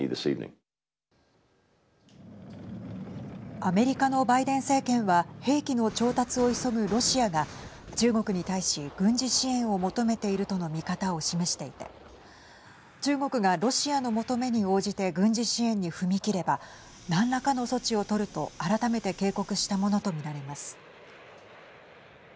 アメリカのバイデン政権は兵器の調達を急ぐロシアが中国に対し軍事支援を求めているとの見方を示していて中国がロシアの求めに応じて軍事支援に踏み切れば何らかの措置を取ると改めて警告したものと見られます。